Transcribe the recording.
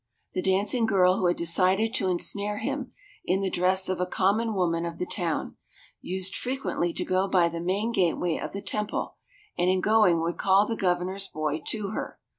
The dancing girl who had decided to ensnare him, in the dress of a common woman of the town, used frequently to go by the main gateway of the Temple, and in going would call the Governor's boy to her.